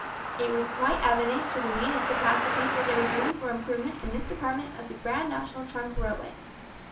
It was quite evident to the meanest capacity that there was room for improvement in this department of the Grand National Trunk Railway.